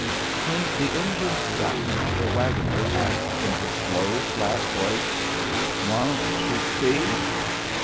When the engine stuck, the waggoner asked in his slow, flat voice: "Woan't she speak?"